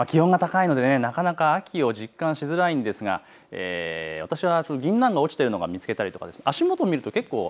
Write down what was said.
気温が高いのでなかなか秋を実感しづらいですが私はぎんなんが落ちているのを見つけました。